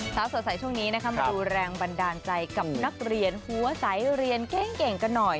สาวสดใสช่วงนี้นะคะมาดูแรงบันดาลใจกับนักเรียนหัวใสเรียนเก่งกันหน่อย